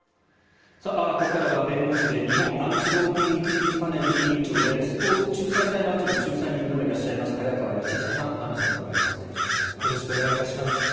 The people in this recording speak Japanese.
ここからは弁護士で日本アンチ・ドーピング規律パネル委員長でスポーツ仲裁裁判所の仲裁人でもいらっしゃいます早川吉尚さんにお話をお伺いします。